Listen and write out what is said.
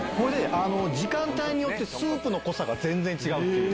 時間帯によってスープの濃さが全然違う。